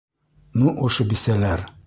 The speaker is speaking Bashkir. Ну, ошо бисәләр.